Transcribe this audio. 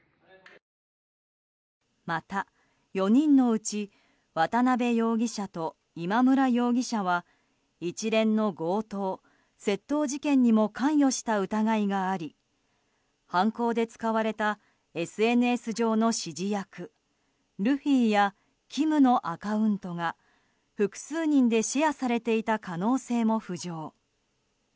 また、４人のうち渡邉容疑者と今村容疑者は一連の強盗・窃盗事件にも関与した疑いがあり犯行で使われたＳＮＳ上の指示役ルフィやキムのアカウントが複数人でシェアされていた可能性も浮上。